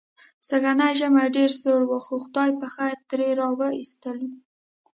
سږنی ژمی ډېر سوړ و، خو خدای پخېر ترې را و ایستلو.